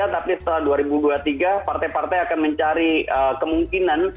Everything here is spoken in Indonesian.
tapi setelah dua ribu dua puluh tiga partai partai akan mencari kemungkinan